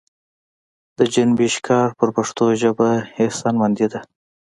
د جنبش کار پر پښتو ژبه احسانمندي ده.